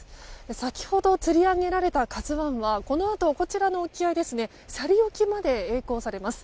先ほどつり上げられた「ＫＡＺＵ１」はこのあと、こちらの沖合斜里沖まで曳航されます。